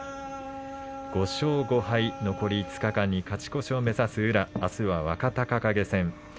５勝５敗、残り５日間に勝ち越しを目指す宇良あすは若隆景戦。